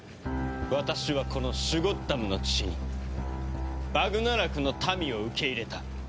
私はこのシュゴッダムの地にバグナラクの民を受け入れた。